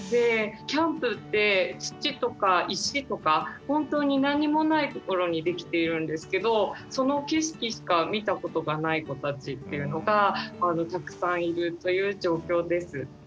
キャンプって土とか石とか本当に何もないところに出来ているんですけどその景色しか見たことがない子たちっていうのがたくさんいるという状況です。